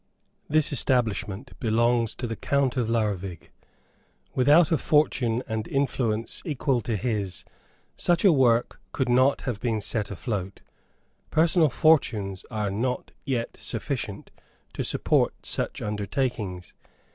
This establishment belongs to the Count of Laurvig. Without a fortune and influence equal to his, such a work could not have been set afloat; personal fortunes are not yet sufficient to support such undertakings.